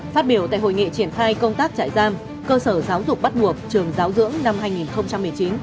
phát biểu tại hội nghị triển khai công tác trại giam cơ sở giáo dục bắt buộc trường giáo dưỡng năm hai nghìn một mươi chín